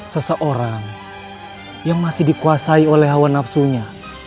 seseorang yang masih dikuasai oleh hawa nafsunya